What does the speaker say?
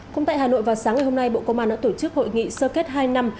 cũng tại hà nội vào sáng ngày hôm nay bộ công an đã tổ chức hội nghị sơ kết hai năm